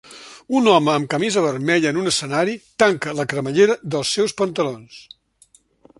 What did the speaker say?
Un home amb camisa vermella en un escenari tanca la cremallera dels seus pantalons.